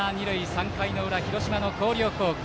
３回の裏、広島の広陵高校。